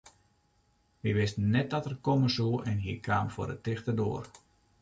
Wy wisten net dat er komme soe en hy kaam foar de tichte doar.